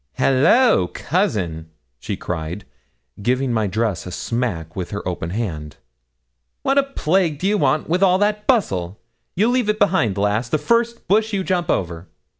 'Hallo, cousin,' she cried, giving my dress a smack with her open hand. 'What a plague do you want of all that bustle; you'll leave it behind, lass, the first bush you jump over.'